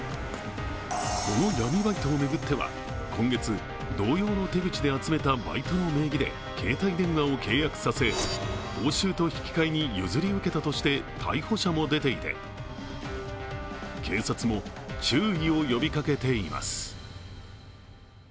この闇バイトを巡っては今月、同様の手口で集めたバイトの名義で携帯電話を契約させ、報酬と引き換えに譲り受けたとして逮捕者も出ていて、警察も注意を呼びかけています。